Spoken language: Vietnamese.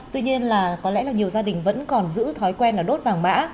tuy nhiên là có lẽ là nhiều gia đình vẫn còn giữ thói quen là đốt vàng mã